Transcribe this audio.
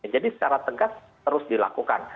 jadi secara tegas terus dilakukan